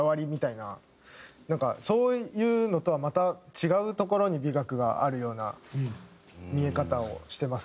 なんかそういうのとはまた違うところに美学があるような見え方をしてます